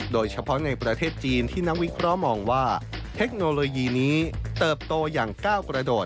โดยเฉพาะในประเทศจีนที่นักวิเคราะห์มองว่าเทคโนโลยีนี้เติบโตอย่างก้าวกระโดด